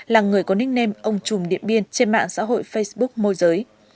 là người có đích nêm ông trùm điện biên trên mạng xã hội facebook môi giới